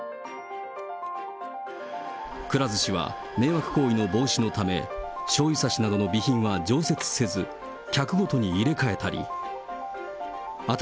くら寿司は迷惑行為の防止のため、しょうゆ差しなどの備品は常設せに追われた。